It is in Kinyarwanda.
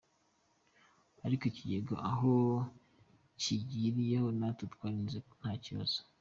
Ariko ikigega aho kigiriyeho natwe twarize nta kibazo.